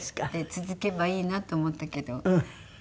続けばいいなと思ったけど駄目でした。